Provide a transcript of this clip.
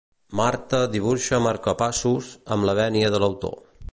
Marta dibuixa marcapassos, amb la vènia de l'autor.